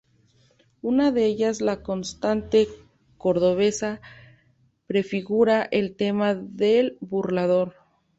Una de ellas, "La constante cordobesa", prefigura el tema del burlador.